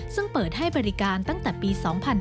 ซึ่งเปิดให้บริการตั้งแต่ปี๒๕๕๙